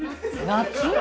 夏？